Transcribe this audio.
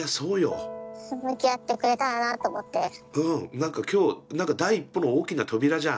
何か今日何か第一歩の大きな扉じゃん。